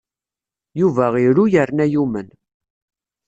Yuba iru yerna yumen.